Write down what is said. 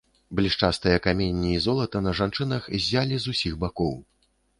Блішчастыя каменні і золата на жанчынах ззялі з ўсіх бакоў.